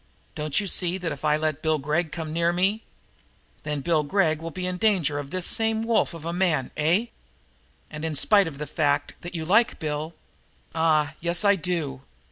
Don't you see that if I let Bill Gregg come near me " "Then Bill will be in danger of this same wolf of a man, eh? And, in spite of the fact that you like Bill " "Ah, yes, I do!"